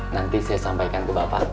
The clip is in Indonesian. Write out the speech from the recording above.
nanti saya sampaikan ke bapak